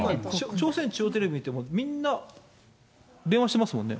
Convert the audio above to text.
朝鮮中央テレビって、みんな電話してますもんね。